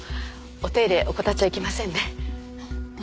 お手入れ怠っちゃいけませんね。